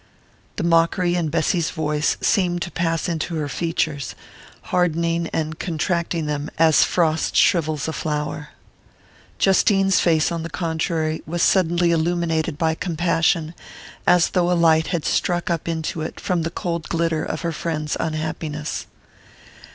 The mockery in Bessy's voice seemed to pass into her features, hardening and contracting them as frost shrivels a flower. Justine's face, on the contrary, was suddenly illuminated by compassion, as though a light had struck up into it from the cold glitter of her friend's unhappiness.